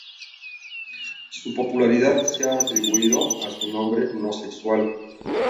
Su popularidad se ha atribuido a su nombre no sexual.